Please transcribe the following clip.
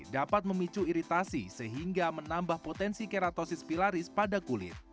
dapat memicu iritasi sehingga menambah potensi keratosis pilaris pada kulit